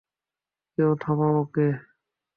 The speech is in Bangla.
কেউ থামাও ওকে!